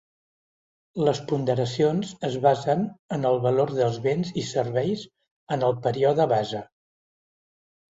Les ponderacions es basen en el valor dels béns o serveis en el període base.